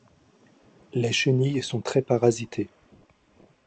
Les chenilles sont très parasitées.